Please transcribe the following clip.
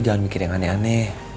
jangan mikir yang aneh aneh